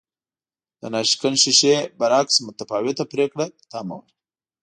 د ناشکن ښیښې برعکس متفاوته پرېکړه تمه وه